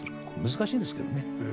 難しいですけどね。